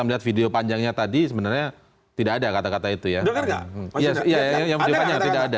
melihat video panjangnya tadi sebenarnya tidak ada kata kata itu ya iya tidak ada